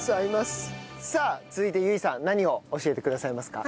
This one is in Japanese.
さあ続いて唯さん何を教えてくださいますか？